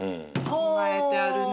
考えてあるね。